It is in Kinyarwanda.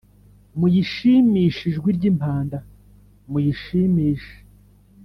Muyishimishe ijwi ry impanda Muyishimishe